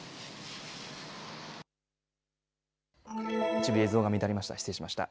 一部映像が乱れました。